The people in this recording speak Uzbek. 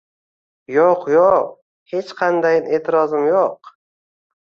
Yo’q, yo’q, hech qandayin etirozim yo’q.